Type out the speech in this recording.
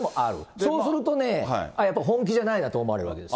そうするとね、やっぱり本気じゃないなと思われるわけですよ。